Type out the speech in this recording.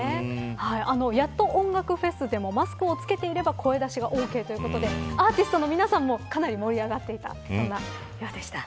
やっと音楽フェスでもマスクを着けていれば声出しがオーケーということでアーティストの皆さんもかなり盛り上がっていたようでした。